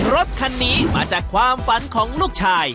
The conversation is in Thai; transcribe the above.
รถคันนี้มาจากความฝันของลูกชาย